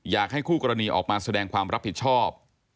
อยากให้คู่กรณีออกมาแสดงความรับผิดชอบ